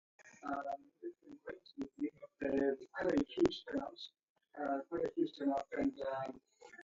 Jhingi kwabonyere huw'o?